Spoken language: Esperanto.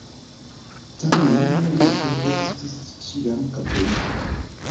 Tamen lia kredo estis ĉiam katolika.